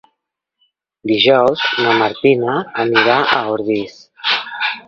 Dijous na Martina anirà a Ordis.